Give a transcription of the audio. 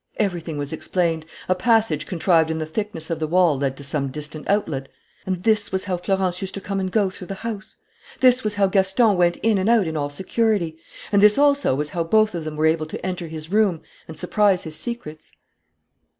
Everything was explained. A passage contrived in the thickness of the wall led to some distant outlet. And this was how Florence used to come and go through the house; this was how Gaston went in and out in all security; and this also was how both of them were able to enter his room and surprise his secrets.